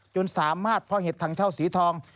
จนสามารถเพาะเห็ดถังเช่าสีทอง